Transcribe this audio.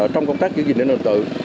trong công tác kiểm tra nền tự